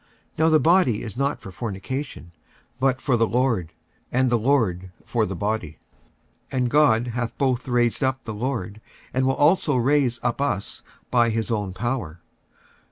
Now the body is not for fornication, but for the Lord; and the Lord for the body. 46:006:014 And God hath both raised up the Lord, and will also raise up us by his own power.